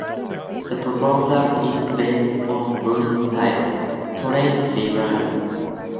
The proposal is based on Boost Type Traits library.